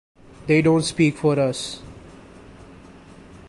They don't speak for us.